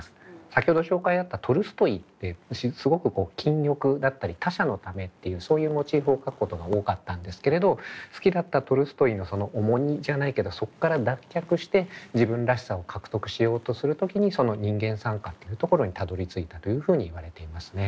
先ほど紹介あったトルストイってすごく禁欲だったり他者のためっていうそういうモチーフを書くことが多かったんですけれど好きだったトルストイのその重荷じゃないけどそっから脱却して自分らしさを獲得しようとする時にその人間賛歌っていうところにたどりついたというふうにいわれていますね。